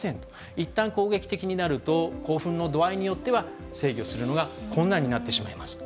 いったん攻撃的になると興奮の度合いによっては制御するのが困難になってしまいますと。